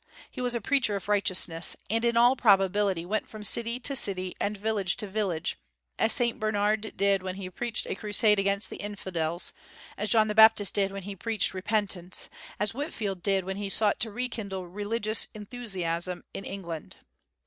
He was a preacher of righteousness, and in all probability went from city to city and village to village, as Saint Bernard did when he preached a crusade against the infidels, as John the Baptist did when he preached repentance, as Whitefield did when he sought to kindle religious enthusiasm in England.